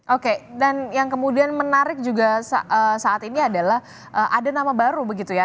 oke dan yang kemudian menarik juga saat ini adalah ada nama baru begitu ya